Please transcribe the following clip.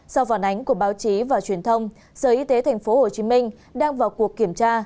sau phản ánh của báo chí và truyền thông sở y tế tp hcm đang vào cuộc kiểm tra